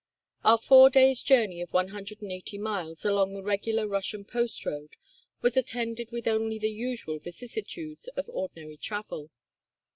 Our four days' journey of 180 miles along the regular Russian post road was attended with only the usual vicissitudes of ordinary travel.